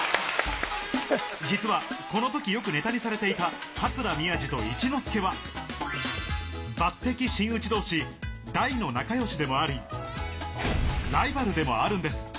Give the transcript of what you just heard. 実はこのとき、よくねたにされていた桂宮治と一之輔は、抜てき真打ちどうし大の仲よしでもあり、ライバルでもあるんです。